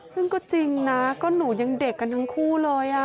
ซึ่งก็จริงนะก็หนูยังเด็กกันทั้งคู่เลย